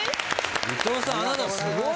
伊藤さんあなたすごいね。